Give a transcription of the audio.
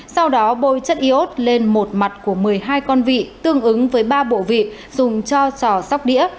sau đó bôi chất iốt lên một mặt của một mươi hai con vị tương ứng với ba bộ vị dùng cho trò sóc đĩa